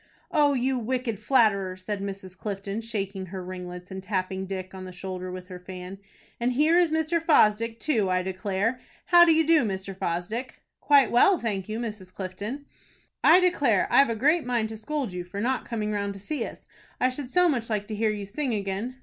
"O you wicked flatterer!" said Mrs. Clifton, shaking her ringlets, and tapping Dick on the shoulder with her fan. "And here is Mr. Fosdick too, I declare. How do you do, Mr. Fosdick?" "Quite well, thank you, Mrs. Clifton." "I declare I've a great mind to scold you for not coming round to see us. I should so much like to hear you sing again."